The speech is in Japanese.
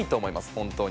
本当に。